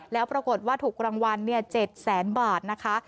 แล้วปรากฏว่าถูกรางวัลเนี่ยเจ็ดแสนบาทนะคะ